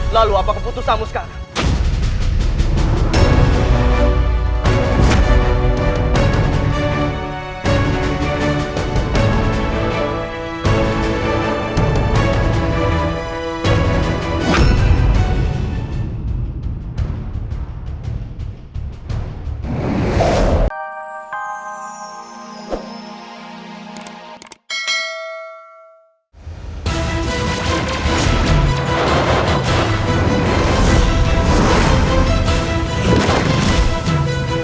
lalu apakah putusamu sekarang